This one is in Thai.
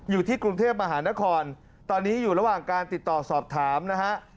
อยู่ที่กรุงเทพมหานครตอนนี้อยู่ระหว่างการติดต่อสอบถามนะฮะ